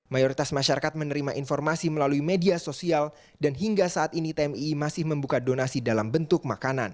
mayoritas masyarakat menerima informasi melalui media sosial dan hingga saat ini tmi masih membuka donasi dalam bentuk makanan